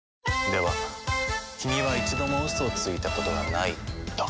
では君は一度もウソをついたことがないと。